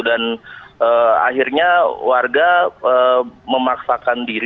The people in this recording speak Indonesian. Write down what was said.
dan akhirnya warga memaksakan diri